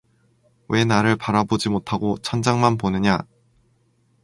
왜 나를 바라보지 못하고 천장만 보느냐!